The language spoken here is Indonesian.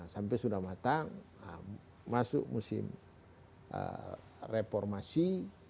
sampai sudah matang masuk musim reformasi